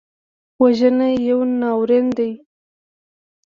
وژنه یو ناورین دی